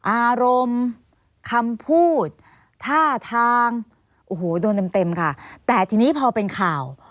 อารมณ์คำพูดท่าทางโอ้โหโดนเต็มเต็มค่ะแต่ทีนี้พอเป็นข่าว